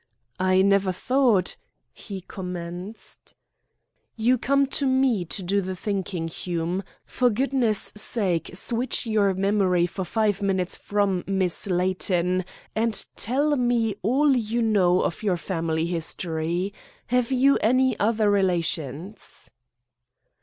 "I never thought " he commenced. "You come to me to do the thinking, Hume. For goodness' sake switch your memory for five minutes from Miss Layton, and tell me all you know of your family history. Have you any other relations?"